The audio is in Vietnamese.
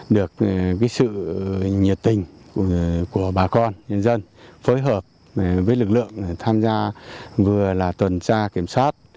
được sự nhiệt tình của bà con nhân dân phối hợp với lực lượng tham gia vừa là tuần tra kiểm soát